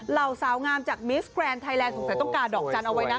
เหล่าสาวงามจากมิสแกรนดไทยแลนดสงสัยต้องการดอกจันทร์เอาไว้นะ